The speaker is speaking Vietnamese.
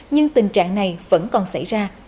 nhưng tình trạng này vẫn còn xảy ra